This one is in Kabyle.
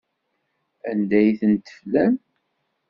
Anda ay ten-teflam?